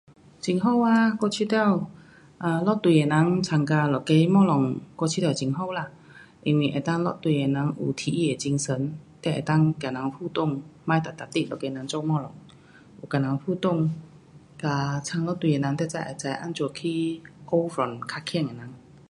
很好啊，我觉得 um 一对的人参加一个东西，我觉得很好啦，因为能够一对的人有体育的精神，你能够跟人互动，别每每日一个人做东西，有跟人互动跟参一对的人，你才会知怎样去学 from 较棒的人。